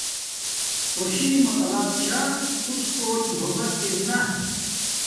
خوشی مطلب چھا توس کوٹ محبت ارنا